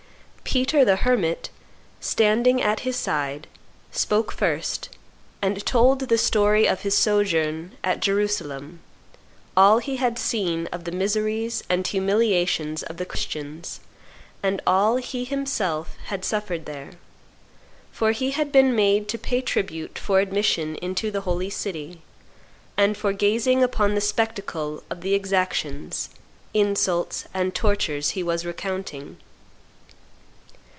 Peter the Hermit, standing at his side, spoke first, and told the story of his sojourn at Jerusalem, all he had seen of the miseries and humiliations of the Christians, and all he himself had suffered there, for he had been made to pay tribute for admission into the Holy City, and for gazing upon the spectacle of the exactions, insults, and tortures he was recounting.